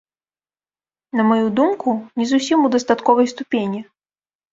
На маю думку, не зусім у дастатковай ступені.